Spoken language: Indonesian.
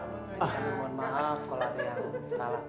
kami mohon maaf kalau ada yang salah